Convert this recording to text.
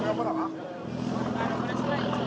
สวัสดีครับทุกคน